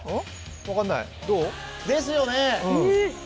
分かんない。ですよね。